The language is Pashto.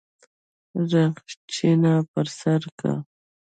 رخچينه پر سر که.